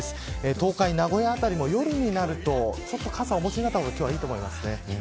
東海、名古屋辺りも夜になると傘をお持ちになった方が今日はいいと思います。